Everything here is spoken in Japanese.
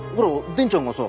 伝ちゃんがさ